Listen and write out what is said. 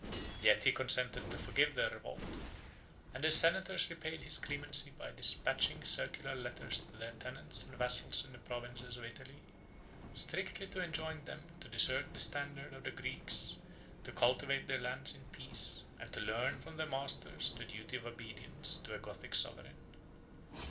Yet he consented to forgive their revolt; and the senators repaid his clemency by despatching circular letters to their tenants and vassals in the provinces of Italy, strictly to enjoin them to desert the standard of the Greeks, to cultivate their lands in peace, and to learn from their masters the duty of obedience to a Gothic sovereign.